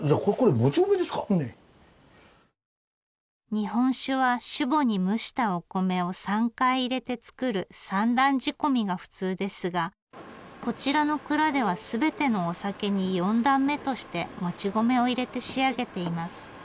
日本酒は酒母に蒸したお米を３回入れて造る三段仕込みが普通ですがこちらの蔵では全てのお酒に四段目としてもち米を入れて仕上げています。